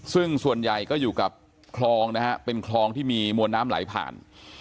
ซึ่งส่วนใหญ่ก็อยู่กับคลองนะฮะเป็นคลองที่มีมวลน้ำไหลผ่าน